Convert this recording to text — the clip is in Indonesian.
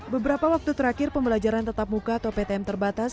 beberapa waktu terakhir pembelajaran tetap muka atau ptm terbatas